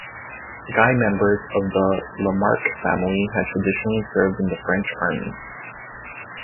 Guy members of the Lamarck family had traditionally served in the French army.